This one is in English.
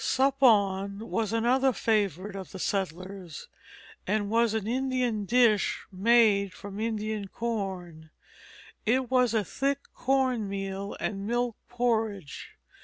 Suppawn was another favorite of the settlers, and was an Indian dish made from Indian corn; it was a thick corn meal and milk porridge.